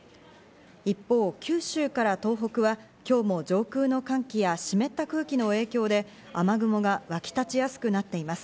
一方、九州から東北は今日も上空の寒気や湿った空気の影響で雨雲が沸き立ちやすくなっています。